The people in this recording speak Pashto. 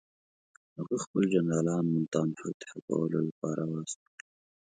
هغه خپل جنرالان ملتان فتح کولو لپاره واستول.